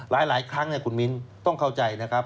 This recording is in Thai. หลายครั้งคุณมิ้นต้องเข้าใจนะครับ